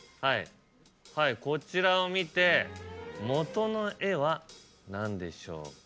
はいこちらを見てもとの絵は何でしょうか？